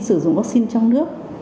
sử dụng vaccine trong nước